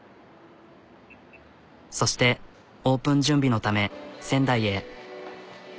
そしてオープン準備のため仙台へ。